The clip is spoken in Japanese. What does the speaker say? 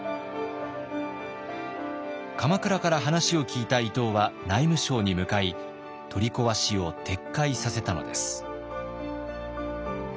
鎌倉から話を聞いた伊東は内務省に向かい取り壊しを撤回させたのです。